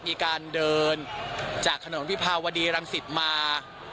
มีการเดินจากถนนวิภาวดีรังสิตมา